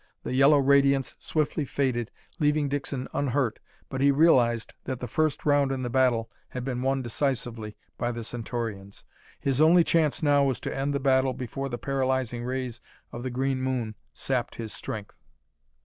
The yellow radiance swiftly faded, leaving Dixon unhurt, but he realized that the first round in the battle had been won decisively by the Centaurians. His only chance now, was to end the battle before the paralyzing rays of the green moon sapped his strength.